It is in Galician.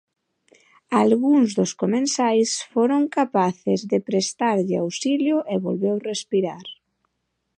Algúns dos comensais foron capaces de prestarlle auxilio e volveu respirar.